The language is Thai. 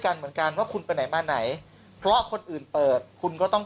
เหมือนกันว่าคุณไปไหนมาไหนเพราะคนอื่นเปิดคุณก็ต้อง